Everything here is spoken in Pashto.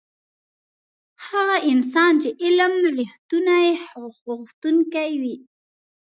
هغه انسان چې علم رښتونی غوښتونکی وي.